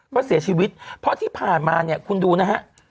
ก็เสียชีวิตเพราะที่ผ่านมาเนี่ยคุณดูนะฮะ